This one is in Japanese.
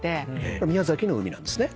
宮崎の海なんですね？